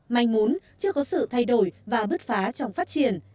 manh muốn chưa có sự thay đổi và bứt phá trong phát triển